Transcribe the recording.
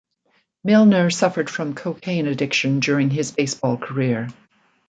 Milner suffered from cocaine addiction during his baseball career.